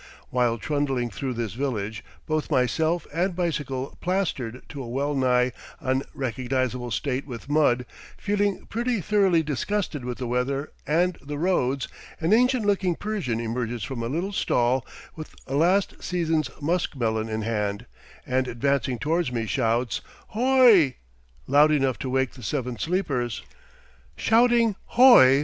While trundling through this village, both myself and bicycle plastered to a well nigh unrecognizable state with mud, feeling pretty thoroughly disgusted with the weather and the roads, an ancient looking Persian emerges from a little stall with a last season's muskmelon in hand, and advancing toward me, shouts, "H o i" loud enough to wake the seven sleepers. Shouting "H o i!!"